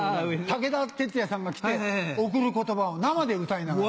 武田鉄矢さんが来て『贈る言葉』を生で歌いながら。